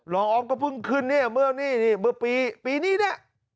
รองอ๊อฟก็เพิ่งขึ้นเนี่ยเมื่อนี้ปีนี้น่ะ